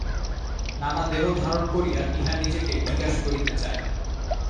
নানা দেহ ধারণ করিয়া ইহা নিজেকে বিকাশ করিতে চায়।